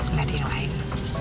nggak ada yang lain